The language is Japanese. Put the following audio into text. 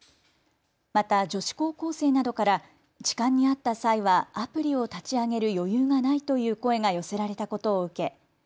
また女子高校生などから痴漢に遭った際はアプリを立ち上げる余裕がないという声が寄せられたことを受け